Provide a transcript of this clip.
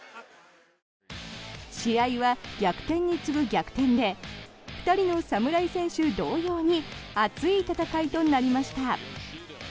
試合は逆転に次ぐ逆転で２人の侍選手同様に熱い戦いとなりました。